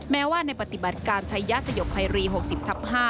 แม้ว่าในปฏิบัติการใช้ยัดสยกไพรี๖๐ทับ๕